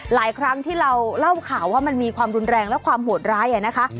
หลายครั้งที่เราเล่าข่าวว่ามันมีความรุนแรงและความโหดร้ายนะคะ